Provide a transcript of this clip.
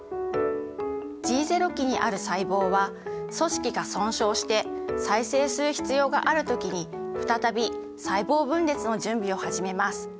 Ｇ期にある細胞は組織が損傷して再生する必要がある時に再び細胞分裂の準備を始めます。